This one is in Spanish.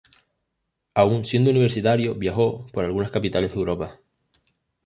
Aún siendo universitario viajó por algunas capitales de Europa.